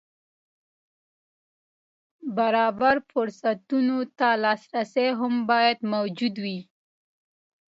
برابر فرصتونو ته لاسرسی هم باید موجود وي.